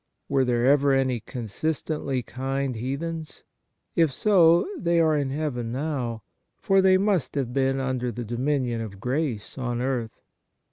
Were there ever any consistently kind heathens ? If so, they are in heaven now, for they must have been under the dominion of grace on earth.